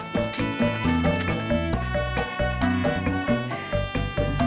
sampai jumpa pak